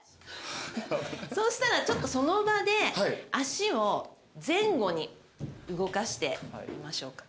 そうしたらちょっとその場で足を前後に動かしてみましょうかね。